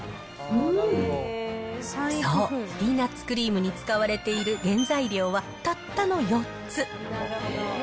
そう、ピーナッツクリームに使われている原材料はたったの４つ。